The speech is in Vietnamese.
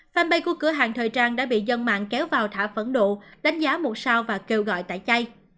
fanpage của cửa hàng thời trang đã bị dân mạng kéo vào thả phẫn nộ đánh giá một sao và kêu gọi tải chay